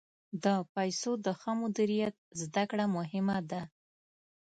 د پیسو د ښه مدیریت زده کړه مهمه ده.